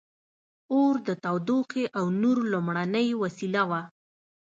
• اور د تودوخې او نور لومړنۍ وسیله وه.